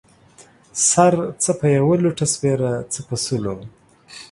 سر څه په يوه لوټۀ سپيره ، څه په سلو.